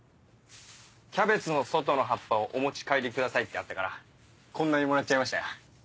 「キャベツの外の葉っぱをお持ち帰りください」ってあったからこんなにもらっちゃいました。